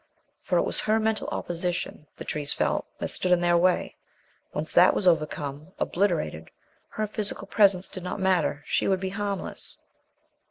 For it was her mental opposition, the trees felt, that stood in their way. Once that was overcome, obliterated, her physical presence did not matter. She would be harmless.